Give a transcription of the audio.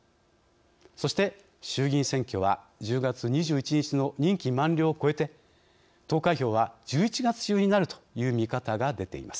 そして、衆議院選挙は１０月２１日の任期満了を越えて投開票は１１月中になるという見方が出ています。